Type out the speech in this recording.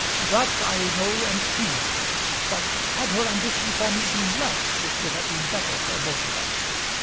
"That I know and feel, but had her ambition for me been less it would have been better for both of us."